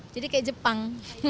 jadi kayak jepang